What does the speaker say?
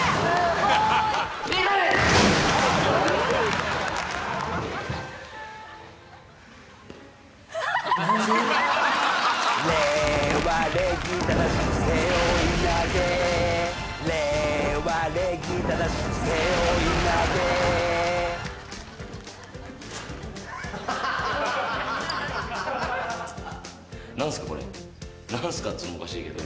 っつうのもおかしいけど。